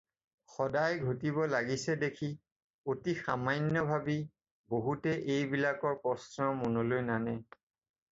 সদায় ঘটিব লাগিছে দেখি অতি সামান্য ভাবি বহুতে এই বিলাক প্ৰশ্ন মনলৈ নানে